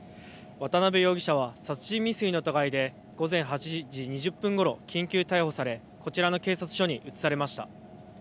渡邊容疑者は殺人未遂の疑いで午前８時２０分ごろ緊急逮捕されこちらの警察署に移されました。